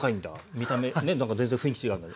見た目ねなんか全然雰囲気違うのに。